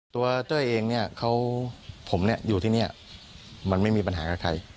ตัวเจ้าเองเนี้ยเขาผมเนี้ยอยู่ที่เนี้ยมันไม่มีปัญหากับใคร